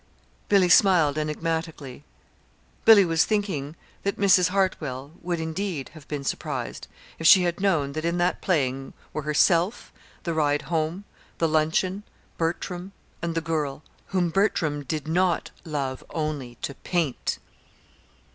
Billy smiled enigmatically. Billy was thinking that Mrs. Hartwell would, indeed, have been surprised if she had known that in that playing were herself, the ride home, the luncheon, Bertram, and the girl whom Bertram _did not love only to paint!